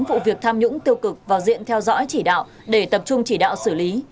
vụ việc tham nhũng tiêu cực vào diện theo dõi chỉ đạo để tập trung chỉ đạo xử lý